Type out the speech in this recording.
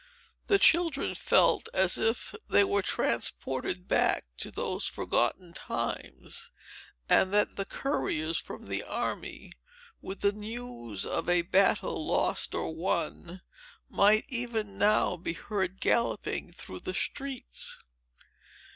The children felt as if they were transported back to those forgotten times, and that the couriers from the army, with the news of a battle lost or won, might even now be heard galloping through the streets.